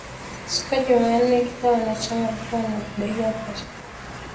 Siku ya jumanne kila mwanachama alikuwa na dakika thelathini kumhoji